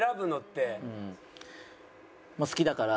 まあ好きだから。